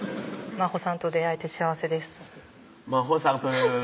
「真帆さんと出会えてです」